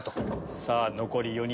さぁ残り４人